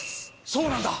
そうなんだ！